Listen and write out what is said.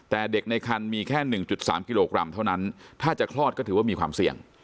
แต่เด็กในคันมีแค่๑๓กิโลกรัมเท่านั้นถ้าจะคลอดก็ถือว่ามีความเสี่ยง